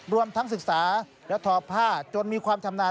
รวมทั้งศึกษาและทอผ้าจนมีความชำนาญ